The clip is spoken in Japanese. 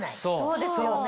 そうですよね。